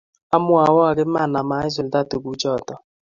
Amwawok iman ama isulda tuguchoto